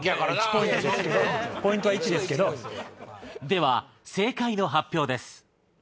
では正解の発表です。